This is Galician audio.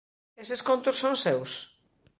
Eses contos son seus?